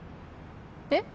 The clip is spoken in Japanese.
えっ？